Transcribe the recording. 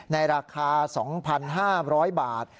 ในราคา๒๕๐๐บาท